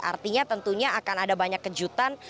artinya tentunya akan ada banyak kejutan